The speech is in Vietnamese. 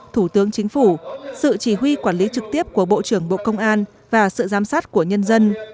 thủ tướng chính phủ sự chỉ huy quản lý trực tiếp của bộ trưởng bộ công an và sự giám sát của nhân dân